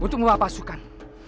untuk membawa pasukan